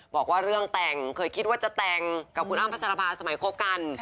บอกว่าเรื่องแต่งเคยคิดว่าจะแต่งกับคุณอ้ำพัชรภาสมัยคบกัน